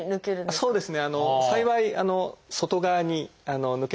そうですね。